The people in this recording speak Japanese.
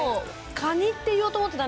カニって言おうと思ってました。